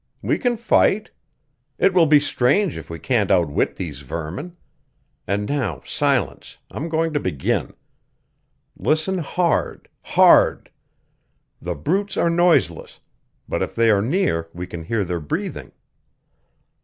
We can fight. It will be strange if we can't outwit these vermin. And now silence; I'm going to begin. Listen hard hard! The brutes are noiseless, but if they are near we can hear their breathing."